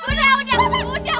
udah aku mau lepas